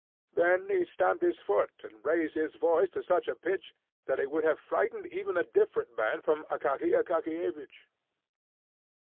Then he stamped his foot, and raised his voice to such a pitch that it would have frightened even a different man from Akaky Akakiyevich.